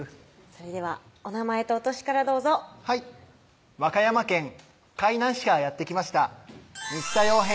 それではお名前とお歳からどうぞはい和歌山県海南市からやって来ました新田陽平